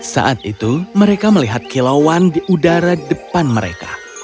saat itu mereka melihat kilauan di udara depan mereka